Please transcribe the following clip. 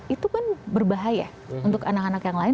itu kan berbahaya untuk anak anak yang lain